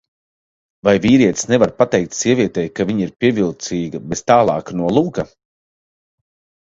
Vai vīrietis nevar pateikt sievietei, ka viņa ir pievilcīga bez tālāka nolūka?